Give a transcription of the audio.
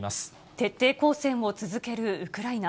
徹底抗戦を続けるウクライナ。